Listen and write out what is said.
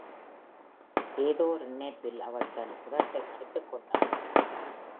ஏதோ ஒரு நினைப்பில் அவள் தன் உதட்டைக் கடித்துக் கொண்டாள்.